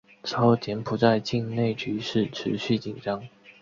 此后柬埔寨境内局势持续紧张。